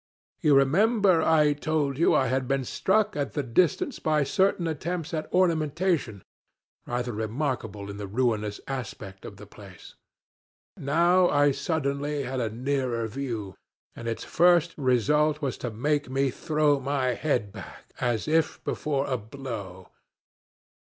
You remember I told you I had been struck at the distance by certain attempts at ornamentation, rather remarkable in the ruinous aspect of the place. Now I had suddenly a nearer view, and its first result was to make me throw my head back as if before a blow.